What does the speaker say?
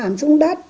hàm xuống đất